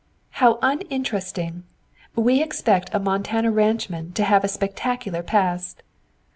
"How uninteresting! We expect a Montana ranchman to have a spectacular past."